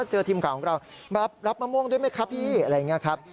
ทีมข่าวของเรามารับมะม่วงด้วยไหมครับพี่อะไรอย่างนี้ครับ